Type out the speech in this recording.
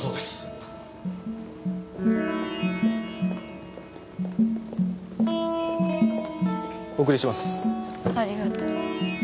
ありがとう。